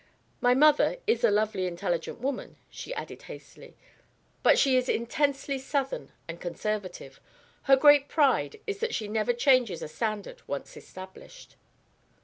My mother is a lovely intelligent woman," she added hastily, "but she is intensely Southern and conservative. Her great pride is that she never changes a standard once established."